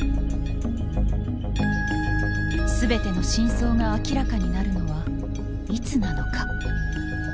全ての真相が明らかになるのはいつなのか。